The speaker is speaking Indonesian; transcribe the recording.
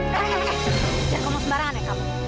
jangan ngomong sembarangan ya kamu